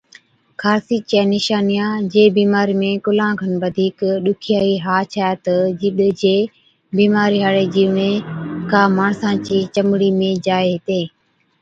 خارسي چِيا نِشانِيا، جي بِيمارِي ۾ ڪُلان کن بڌِيڪ ڏُکيائِي ها ڇَي تہ جِڏ جي بِيمارِي هاڙين جِيوڙين ڪا ماڻسا چِي چمڙِي ۾ جائي هِتين